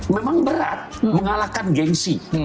memang berat mengalahkan gengsi